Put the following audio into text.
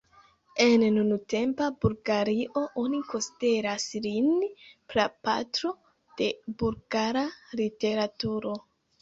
En nuntempa Bulgario oni konsideras lin prapatro de bulgara literaturo.